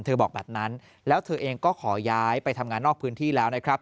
บอกแบบนั้นแล้วเธอเองก็ขอย้ายไปทำงานนอกพื้นที่แล้วนะครับ